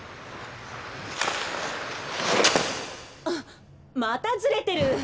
あっまたずれてる！